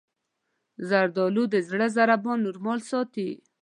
زردالو د زړه ضربان نورمال ساتي.